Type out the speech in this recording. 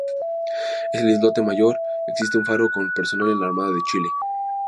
En el islote mayor existe un faro con personal de la Armada de Chile.